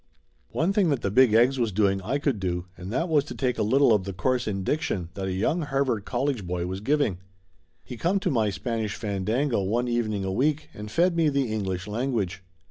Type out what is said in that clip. One thing that the big eggs was doing I could do, and that was to take a little of the course in diction that a young Harvard College boy was giving. He come to my Spanish Fandango one evening a week, and fed me the English language.